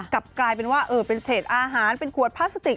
กลับกลายเป็นว่าเป็นเศษอาหารเป็นขวดพลาสติก